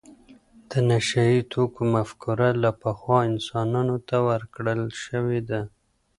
د نشه یې توکو مفکوره له پخوا انسانانو ته ورکړل شوې ده.